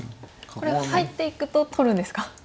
これ入っていくと取るんですか？